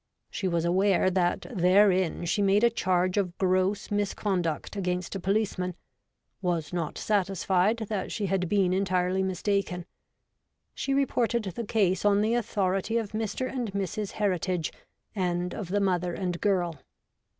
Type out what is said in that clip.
' She was aware that therein she made a charge of gross mis conduct against a policeman : was not satisfied that she had been entirely mistaken. She reported the case on the authority of Mr. and Mrs. Heritage and of the mother and girl.